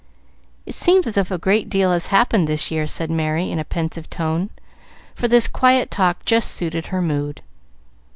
"It seems as if a great deal had happened this year," said Merry, in a pensive tone, for this quiet talk just suited her mood.